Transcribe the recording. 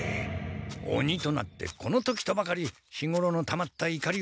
オニとなってこの時とばかり日ごろのたまったいかりを。